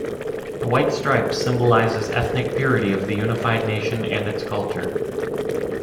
The white stripes symbolizes ethnic purity of the unified nation and its culture.